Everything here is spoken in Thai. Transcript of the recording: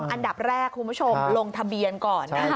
อันดับแรกคุณผู้ชมลงทะเบียนก่อนนะ